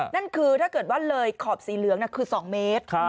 นั่นคือถ้าเกิดว่าเลยขอบสีเหลืองคือ๒เมตร